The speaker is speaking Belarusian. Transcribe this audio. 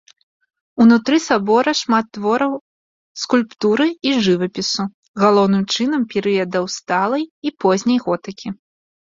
Унутры сабора шмат твораў скульптуры і жывапісу, галоўным чынам перыядаў сталай і позняй готыкі.